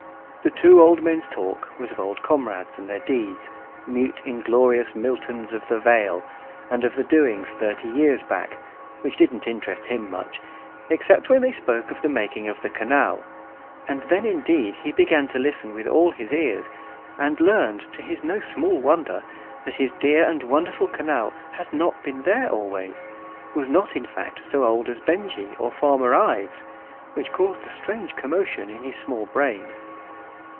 The two old men's talk was of old comrades and their deeds, mute inglorious Miltons of the Vale, and of the doings thirty years back, which didn't interest him much, except when they spoke of the making of the canal; and then indeed he began to listen with all his ears, and learned, to his no small wonder, that his dear and wonderful canal had not been there always was not, in fact, so old as Benjy or Farmer Ives, which caused a strange commotion in his small brain.